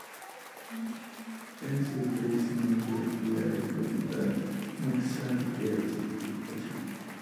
Esoterismo, filosofía oriental, Nietzsche... eran sus preocupaciones.